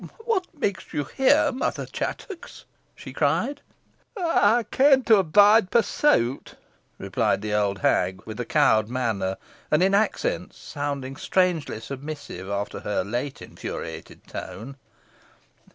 "What makes you here, Mother Chattox?" she cried. "I came here to avoid pursuit," replied the old hag, with a cowed manner, and in accents sounding strangely submissive after her late infuriated tone.